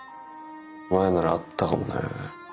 前ならあったかもね。